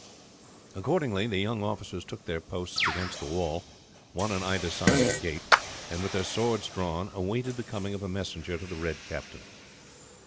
Accordingly the young officers took their posts against the wall, one on either side of the gate, and with their swords drawn awaited the coming of a messenger to the Red Captain.